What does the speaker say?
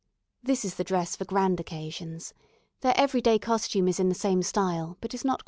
This is the dress for grand occasions. Their everyday costume is in the same style, but is not quite so fine.